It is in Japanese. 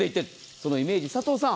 そのイメージ、佐藤さん。